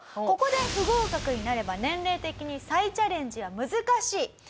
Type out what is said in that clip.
ここで不合格になれば年齢的に再チャレンジは難しい。